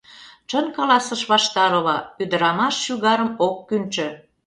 Чын каласыш Ваштарова, ӱдырамаш шӱгарым ок кӱнчӧ!